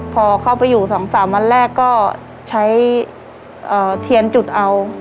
พอเข้าไปอยู่สองสามวันแรกก็ใช้เอ่อเทียนจุดเอา